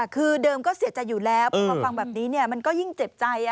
คือเดิมก็เสียใจอยู่แล้วพอมาฟังแบบนี้มันก็ยิ่งเจ็บใจ